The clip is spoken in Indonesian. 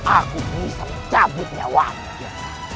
aku bisa mencabutnya wangnya